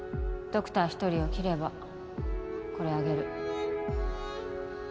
ドクター一人を切ればこれあげる